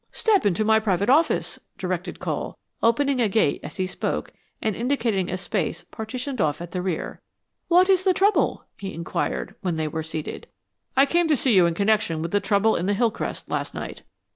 "Step into my private office," directed Cole, opening a gate as he spoke, and indicating a space partitioned off at the rear. "What is the trouble?" he inquired, when they were seated. "I came to see you in connection with the trouble in the Hillcrest last night."